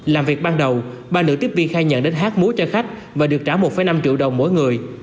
làm việc ban đầu ba nữ tiếp viên khai nhận đến hát múa cho khách và được trả một năm triệu đồng mỗi người